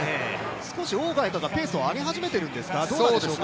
少しオウ・ガイカがペースを上げ始めてるんですかね。